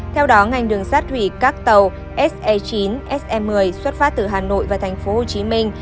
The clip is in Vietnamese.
theo đó ngành đường sát thủy các tàu se chín se một mươi xuất phát từ hà nội và thành phố hồ chí minh